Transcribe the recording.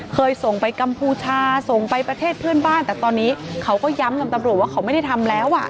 เคยส่งไปกัมพูชาส่งไปประเทศเพื่อนบ้านแต่ตอนนี้เขาก็ย้ำกับตำรวจว่าเขาไม่ได้ทำแล้วอ่ะ